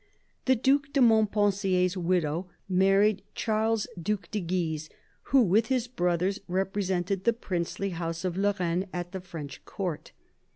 The Due de Montpensier's widow married Charles, Due de Guise, who, with his brothers, represented the princely House of Lorraine at the French Court.